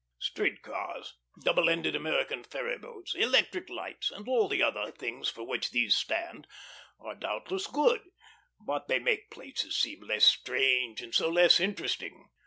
Street cars, double ended American ferry boats, electric lights, and all the other things for which these stand, are doubtless good; but they make places seem less strange and so less interesting.